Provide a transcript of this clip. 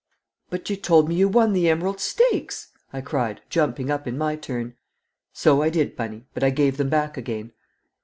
"But you told me you won the Emerald Stakes!" I cried, jumping up in my turn. "So I did, Bunny, but I gave them back again."